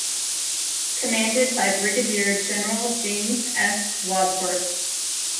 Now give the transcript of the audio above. Commanded by Brigadier General James S. Wadsworth.